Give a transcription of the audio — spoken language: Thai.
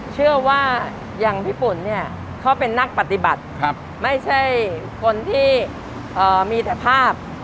เชื่อว่าอย่างพี่ปุ่นเนี่ยเขาเป็นนักปฏิบัติไม่ใช่คนที่มีแต่ภาพ